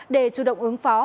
để chủ động ứng phó